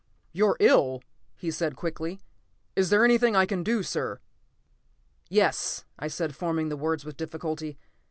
"You're ill!" he said quickly. "Is there anything I can do, sir?" "Yes," I said, forming the words with difficulty.